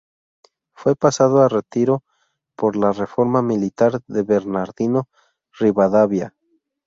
Fue pasado a retiro por la reforma militar de Bernardino Rivadavia.